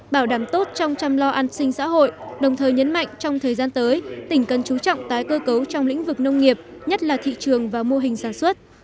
bảo đảm tốt trong chăm lo an sinh xã hội đồng thời nhấn mạnh trong thời gian tới tỉnh cần chú trọng tái cơ cấu trong lĩnh vực nông nghiệp nhất là thị trường và mô hình sản xuất